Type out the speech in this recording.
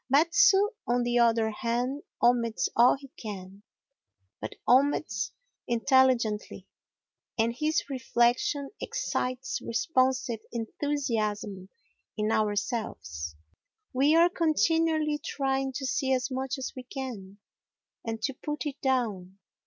Metsu on the other hand omits all he can, but omits intelligently, and his reflection excites responsive enthusiasm in ourselves. We are continually trying to see as much as we can, and to put it down.